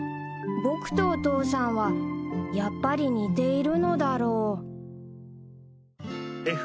僕とお父さんはやっぱり似ているのだろう